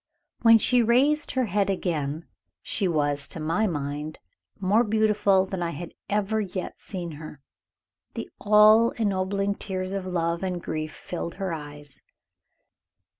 When she raised her head again she was, to my mind, more beautiful than I had ever yet seen her. The all ennobling tears of love and grief filled her eyes.